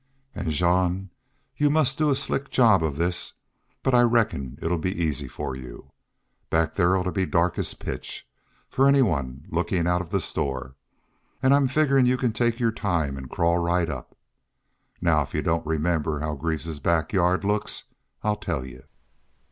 An', Jean, y'u must do a slick job of this. But I reckon it 'll be easy fer you. Back there it 'll be dark as pitch, fer anyone lookin' out of the store. An' I'm figgerin' y'u can take your time an' crawl right up. Now if y'u don't remember how Greaves's back yard looks I'll tell y'u."